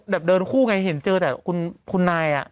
เดินคู่ไงเห็นเจอแต่คุณนาย